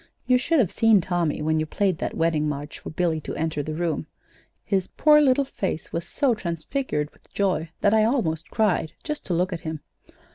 You should have seen Tommy when you played that wedding march for Billy to enter the room. His poor little face was so transfigured with joy that I almost cried, just to look at him.